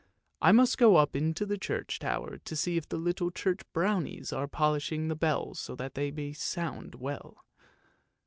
I must go up into the church tower to see if the little church brownies are polishing the bells so that they may sound well.